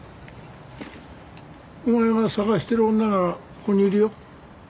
お前が捜してる女がここにいるよ。